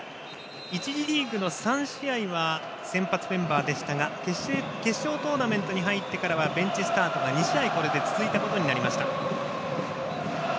１次リーグの３試合は先発メンバーでしたが決勝トーナメントに入ってからはベンチスタートが２試合これで続いたことになりました。